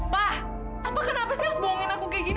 pa apa kenapa si harus bohongin aku kayak gini